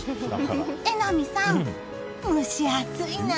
榎並さん、蒸し暑いな。